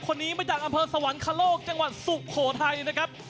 คนนี้มาจากอำเภอสวรรคโลกจังหวัดสุโขทัยนะครับ